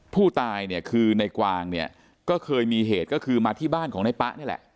ผู้ตายเนี่ยคือในกวางเนี่ยก็เคยมีเหตุก็คือมาที่บ้านของนายป๊ะนี่แหละ